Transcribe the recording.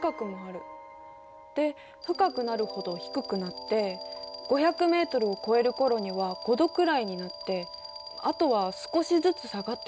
で深くなるほど低くなって５００ｍを超えるころには５℃くらいになってあとは少しずつ下がってる。